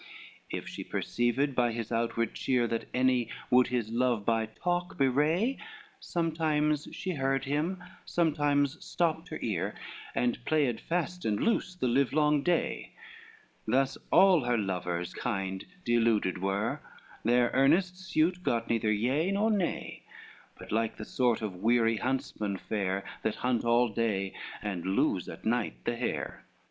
XCV If she perceived by his outward cheer, That any would his love by talk bewray, Sometimes she heard him, sometimes stopped her ear, And played fast and loose the livelong day: Thus all her lovers kind deluded were, Their earnest suit got neither yea nor nay; But like the sort of weary huntsmen fare, That hunt all day, and lose at night the hare.